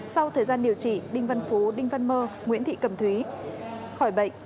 sau thời gian điều trị đinh văn phú đinh văn mơ nguyễn thị cẩm thúy khỏi bệnh